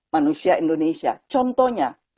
manusia indonesia contohnya